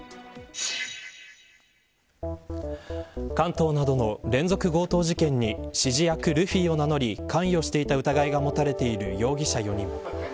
関東などの連続強盗事件に指示役ルフィを名乗り関与していた疑いが持たれている容疑者４人。